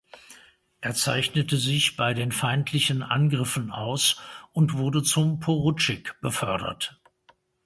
Er zeichnete sich bei den feindlichen Angriffen aus und wurde zum Porutschik befördert.